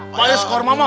pais korma mak